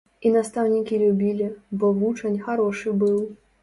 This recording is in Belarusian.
І настаўнікі любілі, бо вучань харошы быў.